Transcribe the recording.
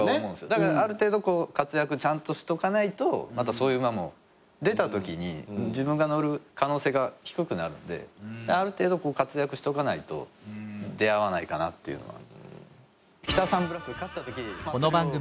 だからある程度活躍ちゃんとしとかないとまたそういう馬も出たときに自分が乗る可能性が低くなるんである程度活躍しとかないと出合わないかなっていうのは。